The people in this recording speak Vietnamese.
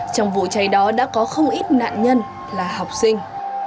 trong vụ cháy đó đã có không ít nạn nhân là học sinh